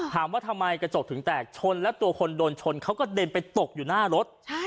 ถามว่าทำไมกระจกถึงแตกชนแล้วตัวคนโดนชนเขากระเด็นไปตกอยู่หน้ารถ